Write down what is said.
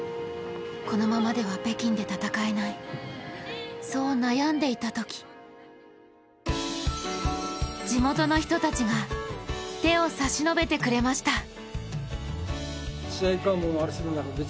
このままでは北京で戦えない、そう悩んでいたとき地元の人たちが手を差し伸べてくれました。